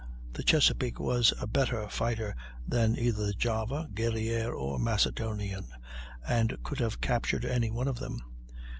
The Chesapeake was a better fighter than either the Java, Guerrière, or Macedonian, and could have captured any one of them.